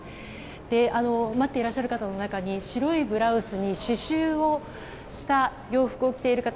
待っていらっしゃる方の中に白いブラウスで刺繍をした洋服を着ている方